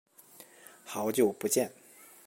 好久不见。